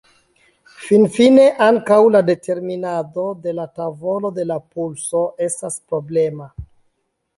Finfine ankaŭ la determinado de la tavolo de la pulso estas problema.